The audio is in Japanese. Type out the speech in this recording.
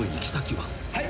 「はい。